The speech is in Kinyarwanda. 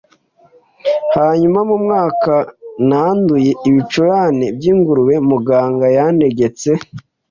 Hanyuma mu mwaka wa nanduye ibicurane by ingurube Muganga yantegetse